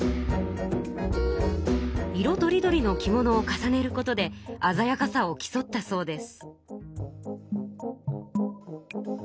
色とりどりの着物を重ねることであざやかさをきそったそうです。